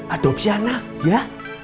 adopsi anak ya